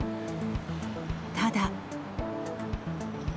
ただ。